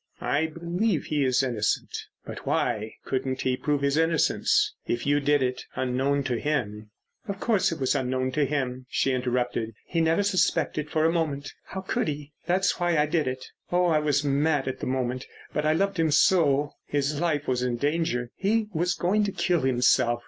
"I believe he is innocent. But—why couldn't he prove his innocence? If you did it, unknown to him——" "Of course it was unknown to him," she interrupted. "He never suspected for a moment—how could he? That's why I did it. Oh, I was mad at the moment, but I loved him so! His life was in danger. He was going to kill himself.